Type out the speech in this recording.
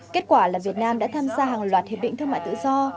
kết quả là việt nam đã tham gia hàng loạt hiệp định thương mại tự do